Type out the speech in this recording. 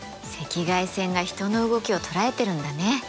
赤外線が人の動きを捉えてるんだね。